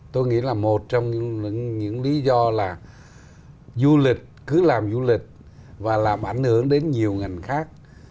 tôi nghĩ là một trong những lý do là du lịch cứ làm du lịch và làm ảnh hưởng đến nhiều ngành khác